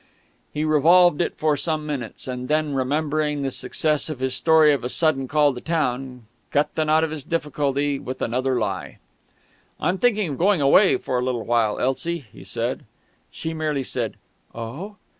He revolved it for some minutes, and then, remembering the success of his story of a sudden call to town, cut the knot of his difficulty with another lie. "I'm thinking of going away for a little while, Elsie," he said. She merely said, "Oh?"